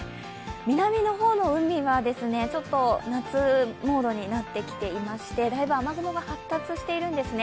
南の方の海はちょっと夏モードになってきていましてだいぶ雨雲が発達しているんですね。